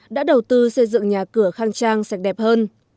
đã đầu tư xây dựng nhà cửa khang trang sạch đẹp hơn